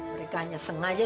mereka hanya sengaja